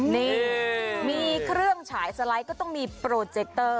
นี่มีเครื่องฉายสไลด์ก็ต้องมีโปรเจคเตอร์